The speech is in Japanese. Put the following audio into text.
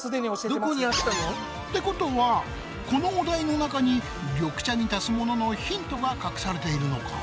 どこにあったの？ってことはこのお題の中に緑茶に足すもののヒントが隠されているのか？